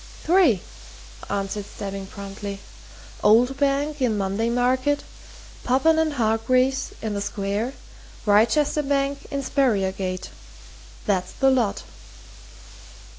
"Three," answered Stebbing promptly. "Old Bank, in Monday Market; Popham & Hargreaves, in the Square; Wrychester Bank, in Spurriergate. That's the lot."